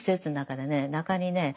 中にね